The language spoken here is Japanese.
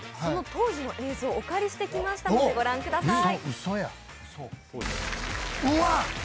当時の映像をお借りしてきましたので御覧ください。